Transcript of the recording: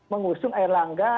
mengusung air langga